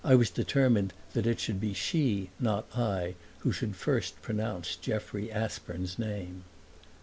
I was determined that it should be she, not I, who should first pronounce Jeffrey Aspern's name.